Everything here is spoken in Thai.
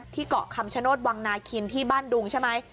เกาะคำชโนธวังนาคินที่บ้านดุงใช่ไหม